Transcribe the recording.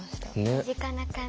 身近な感じ。